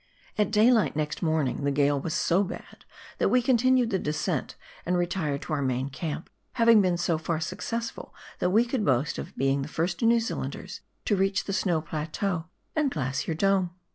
At daylight next morning the gale was so bad that we continued the descent and retired to our main camp, having been so far successful that we could boast of being the first New Zealanders to reach the Snow Plateau and Glacier Dome.